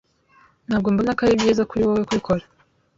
Ntabwo mbona ko ari byiza kuri wowe kubikora.